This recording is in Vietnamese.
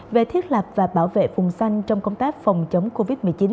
về thiết lập và bảo vệ phùng xanh trong công tác phòng chống covid một mươi chín